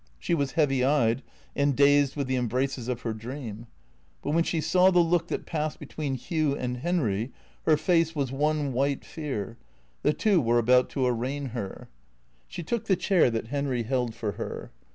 She was heavy eyed, and dazed with the embraces of her dream. But when she saw the look that passed between Hugh and Henry her face was one white fear. The two were about to arraign her. She took the chair that Henry held for her.